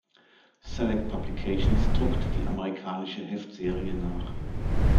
Salleck-Publications druckte die amerikanische Heftserie nach.